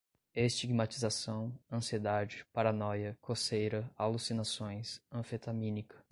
estigmatização, ansiedade, paranoia, coceira, alucinações, anfetamínica